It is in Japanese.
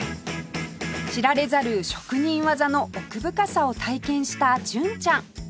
知られざる職人技の奥深さを体験した純ちゃん